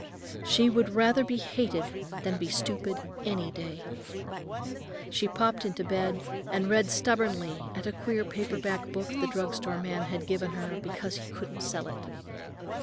She would rather be hated than be stupid, any day. She popped into bed and read stubbornly at a queer paper book the drug store man had given her because he couldn't sell it.